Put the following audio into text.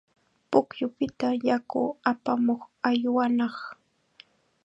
Pukyupita yaku apamuq aywanaq.